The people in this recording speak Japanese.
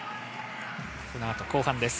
このあと後半です。